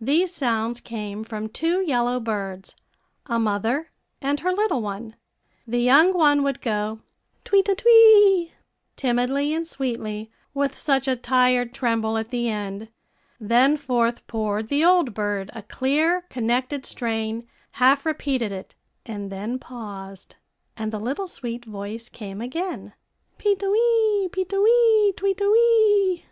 These sounds came from two yellow birds, a mother and her little one. The young one would go, "Twe te twee," timidly and sweetly, with such a tired tremble at the end; then forth poured the old bird a clear, connected strain, half repeated it, and then paused; and the little sweet voice came again, "Pee te wee pee te wee twee te wee."